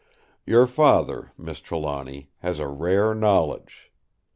Your Father, Miss Trelawny, has a rare knowledge.